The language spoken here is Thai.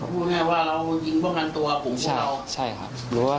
พูดแน่ว่าเรายิงป้องกันตัวปุ่มพวกเรา